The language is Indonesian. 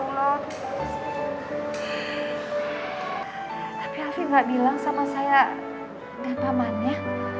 tapi alfi tidak bilang sama saya dan pamannya